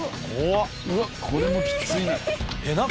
うわっこれもきついな。